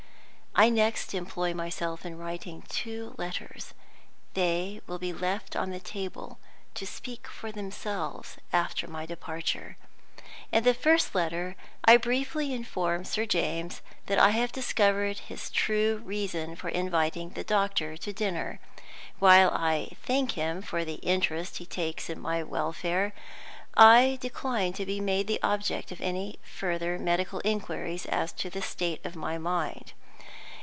I next employ myself in writing two letters. They will be left on the table, to speak for themselves after my departure. In the first letter I briefly inform Sir James that I have discovered his true reason for inviting the doctor to dinner. While I thank him for the interest he takes in my welfare, I decline to be made the object of any further medical inquiries as to the state of my mind.